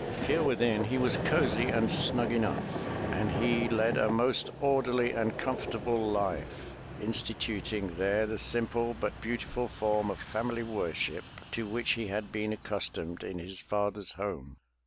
Here within, he was cozy and snug enough, and he led a most orderly and comfortable life, instituting there the simple but beautiful form of family worship to which he had been accustomed in his father's home.